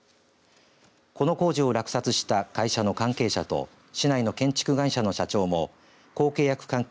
この工事を落札した会社の関係者と市内の建築会社の社長も公契約関係